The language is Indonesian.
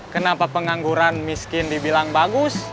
kenapa pengangguran miskin dibilang bagus